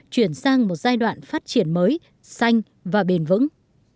chuyển sang một giai đoạn phát triển mới xanh và bền vững